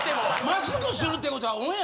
マスクするってことは。